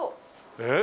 えっ？